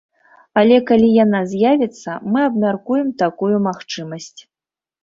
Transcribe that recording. Але калі яна з'явіцца, мы абмяркуем такую магчымасць.